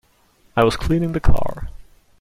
I was cleaning the car.